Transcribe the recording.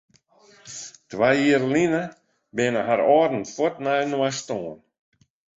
Twa jier lyn binne har âlden fuort nei inoar stoarn.